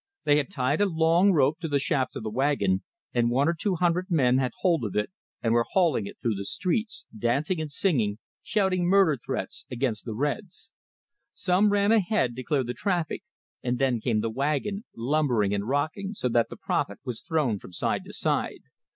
They had tied a long rope to the shaft of the wagon, and one or two hundred men had hold of it, and were hauling it through the streets, dancing and singing, shouting murder threats against the "reds." Some ran ahead, to clear the traffic; and then came the wagon, lumbering and rocking, so that the prophet was thrown from side to side.